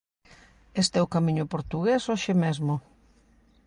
Este é o camiño portugués hoxe mesmo.